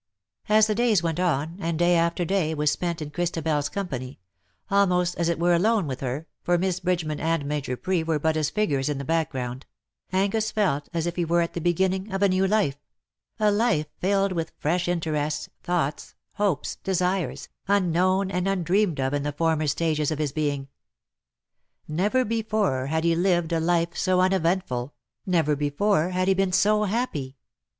As the days went on, and day after day was spent in ChristabeFs company — almost as it were alone with her, for Miss Bridgeman and Major Bree were but as figures in the background — Angus felt as if he were at the beginning of a new life — a life fdled with fresh interests, thoughts, hopes, desires, unknown and undreamed of in the former stages of his being. Never before had he lived a life so uneventful — never 02 ^'tintagel, half in sea, and half on land." before had he been so happy.